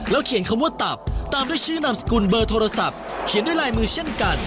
เขียนคำว่าตับตามด้วยชื่อนามสกุลเบอร์โทรศัพท์เขียนด้วยลายมือเช่นกัน